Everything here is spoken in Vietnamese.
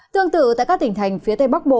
tương tự tại các tỉnh thành phía tây bắc bộ